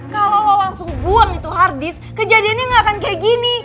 kalau lo langsung buang itu hard disk kejadiannya nggak akan kayak gini